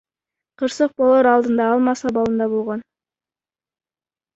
Кырсык болоор алдында ал мас абалында болгон.